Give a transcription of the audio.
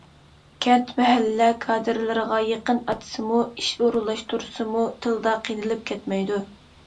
كەنت- مەھەللە كادىرلىرىغا يىغىن ئاچسىمۇ، ئىش ئورۇنلاشتۇرسىمۇ تىلدا قىينىلىپ كەتمەيدۇ.